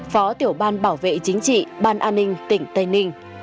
phó tiểu ban bảo vệ chính trị ban an ninh tỉnh tây ninh